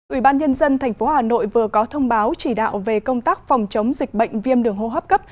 ủy ban nhân dân tp hà nội vừa có thông báo chỉ đạo về công tác phòng chống dịch bệnh viêm đường hô hấp cấp